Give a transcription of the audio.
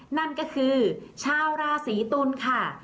นั่นก็คือชาวราศีตุลค่ะ